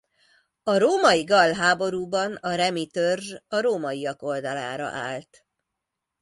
A római-gall háborúban a remi törzs a rómaiak oldalára állt.